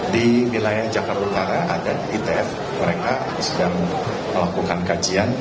di wilayah jakarta utara ada itf mereka sedang melakukan kajian